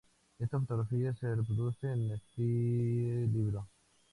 Esta fotografía se reproduce en este libro.